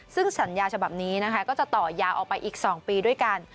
ซึ่งสัญญาฉบับนี้นะคะก็จะต่อยาวออกไปอีก๒ปีด้วยกัน